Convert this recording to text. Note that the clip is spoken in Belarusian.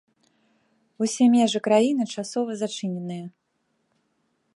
Усе межы краіны часова зачыненыя.